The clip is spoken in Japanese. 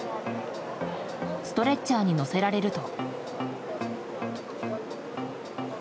ストレッチャーに乗せられると。